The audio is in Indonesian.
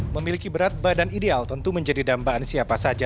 memiliki berat badan ideal tentu menjadi dambaan siapa saja